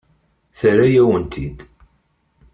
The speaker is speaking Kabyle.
Terra-yawen-t-id.